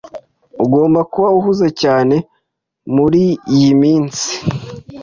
Ugomba kuba uhuze cyane muriyi minsi.